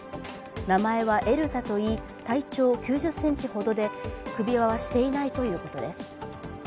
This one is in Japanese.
名前はエルザといい、体長９０ｃｍほどで首輪はしていないということです。